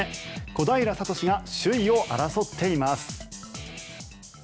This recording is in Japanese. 小平智が首位を争っています。